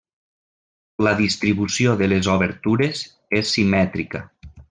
La distribució de les obertures és simètrica.